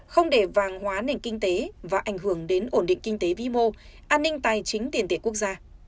không để vàng hóa nền kinh tế và ảnh hưởng đến ổn định kinh tế vĩ mô an ninh tài chính tiền tệ quốc gia